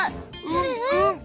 うんうん！